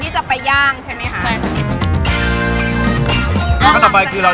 ใช่เพราะว่าไฟมันจะได้เข้า